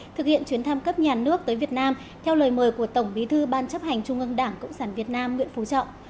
thực hiện chuyến thăm cấp nhà nước tới việt nam theo lời mời của tổng bí thư ban chấp hành trung ương đảng cộng sản việt nam nguyễn phú trọng